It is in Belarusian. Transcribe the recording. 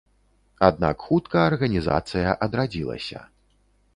Аднак хутка арганізацыя адрадзілася.